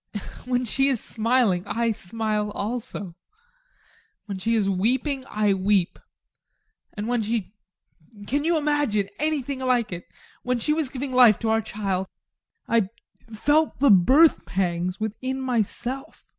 When she is smiling, I smile also. When she is weeping, I weep. And when she can you imagine anything like it? when she was giving life to our child I felt the birth pangs within myself.